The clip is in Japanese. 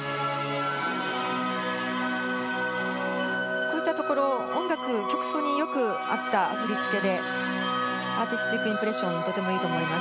こういったところ、音楽、曲調にあった振り付けでアーティスティックインプレッションがとてもいいと思います。